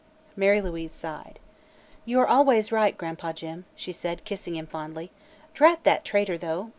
Mary Louise sighed. "You are always right, Gran'pa Jim," she said, kissing him fondly. "Drat that traitor, though!